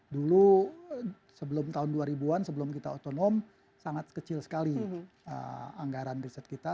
dulu sebelum tahun dua ribu an sebelum kita otonom sangat kecil sekali anggaran riset kita